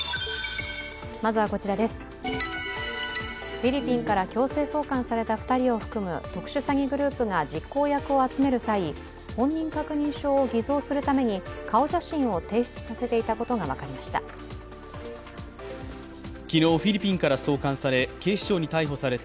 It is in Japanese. フィリピンから強制送還された２人を含む特殊詐欺グループが実行役を集める際本人確認証を偽造するために顔写真を提出させていたことが分かりました。